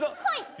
はい。